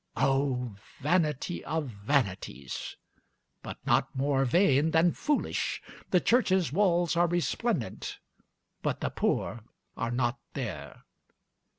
O vanity of vanities! but not more vain than foolish. The church's walls are resplendent, but the poor are not there....